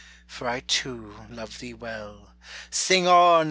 for I too love thee well 9 Sing on